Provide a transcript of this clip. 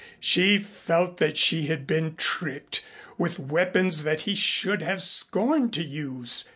She felt that she had been tricked with weapons that he should have scorned to use.